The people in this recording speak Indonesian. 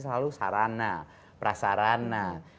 selalu sarana prasarana